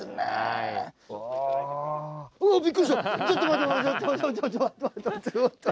ちょっと待って待って。